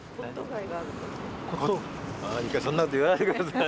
そんなこと言わないで下さい。